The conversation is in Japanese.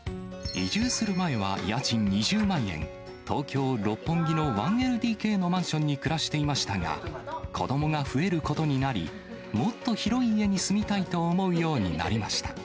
移住する前は家賃２０万円、東京・六本木の１ＬＤＫのマンションに暮らしていましたが、子どもが増えることになり、もっと広い家に住みたいと思うようになりました。